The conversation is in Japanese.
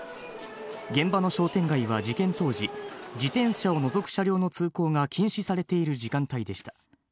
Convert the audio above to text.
現場の商店街は事件当時、自転車を除く車両の通行が禁止されている時間帯でした。